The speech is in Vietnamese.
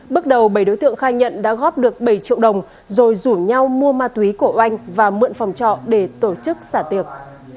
bước đầu bảy đối tượng khai nhận đã góp được bảy triệu đồng rồi rủ nhau mua ma túy của oanh và mượn phòng trọ để tổ chức xả tiệc